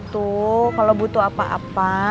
tuh kalau butuh apa apa